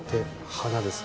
花です